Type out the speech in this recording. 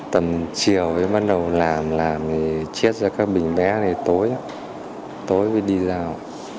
tầm chiều mới bắt đầu làm làm thì chiết ra các bình bé này tối tối mới đi giao